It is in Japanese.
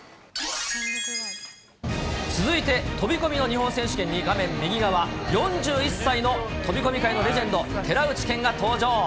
続いて、飛び込みの日本選手権に、画面右側、４１歳の飛び込み界のレジェンド、寺内健が登場。